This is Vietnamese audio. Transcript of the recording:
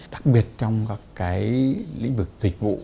đặc biệt trong các lĩnh vực dịch vụ